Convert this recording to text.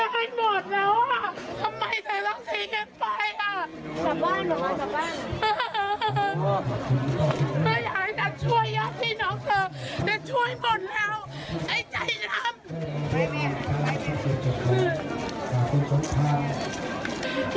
ไปเมียไปเมีย